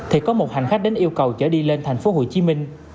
thì có một hành khách đến yêu cầu chở đi lên thành phố hồ chí minh